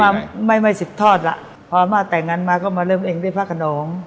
อำมาตย์ไม่สืบทอดล่ะพออำมาตย์แต่งงานมาก็มาเริ่มเองได้พักขนม